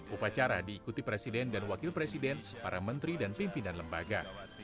upacara diikuti presiden dan wakil presiden para menteri dan pimpinan lembaga